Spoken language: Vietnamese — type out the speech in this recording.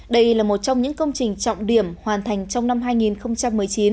đây là một trong những công trình trọng điểm hoàn thành trong năm hai nghìn một mươi chín